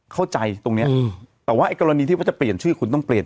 เข้าใจตรงเนี้ยแต่ว่าไอ้กรณีที่ว่าจะเปลี่ยนชื่อคุณต้องเปลี่ยน